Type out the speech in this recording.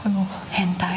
変態。